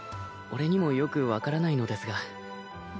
俺にもよく分からないのですが。